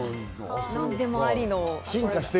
何でもありです。